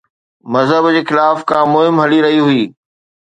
مذهب جي خلاف ڪا مهم هلي رهي هئي؟